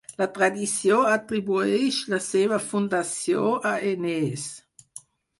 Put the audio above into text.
La tradició atribueix la seva fundació a Enees.